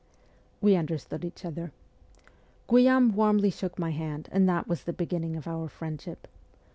We understood each other. Guillaume warmly shook my hand, and that was the beginning of our friendship.